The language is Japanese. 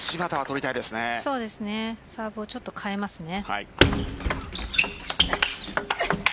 サーブをちょっと変えますね。